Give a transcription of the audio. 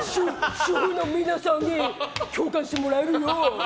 主婦の皆さんに共感してもらえるよう！